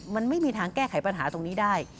มันไม่มีทางแก้ไขปัญหาตรงนี้ได้